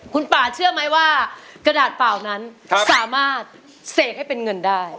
คุณป่าเชื่อไหมว่ากระดาษเปล่านั้นสามารถเสกให้เป็นเงินได้